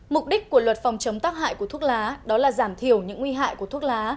mục đích của luật phòng chống tác hại của thuốc lá đó là giảm thiểu những nguy hại của thuốc lá